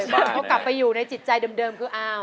พอกลับไปอยู่ในจิตใจเดิมคืออ้าว